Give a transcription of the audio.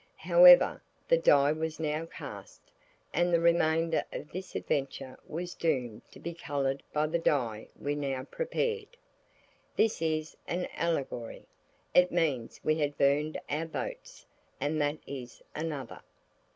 However, the dye was now cast, and the remainder of this adventure was doomed to be coloured by the dye we now prepared. (This is an allegory. It means we had burned our boats. And that is another.)